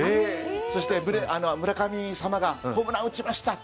そして村神様がホームラン打ちました。